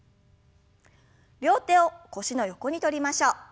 両手を腰の横にとりましょう。